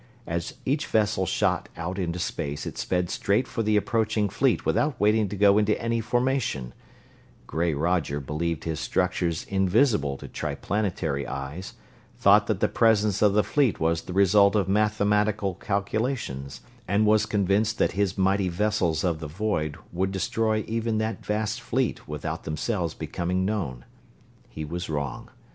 As each vessel shot out into space it sped straight for the approaching fleet without waiting to go into any formation gray Roger believed his structures invisible to Triplanetary eyes, thought that the presence of the fleet was the result of mathematical calculations, and was convinced that his mighty vessels of the void would destroy even that vast fleet without themselves becoming known. He was wrong.